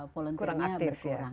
kurang aktif ya